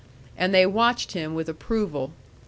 And they watched him with approval.